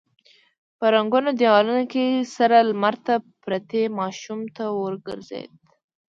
په ړنګو دېوالونو کې سره لمر ته پرتې ماشومې ته ور وګرځېد.